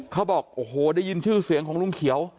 เขาบอกโอ้โหได้ยินชื่อเสียงของลุงเขียว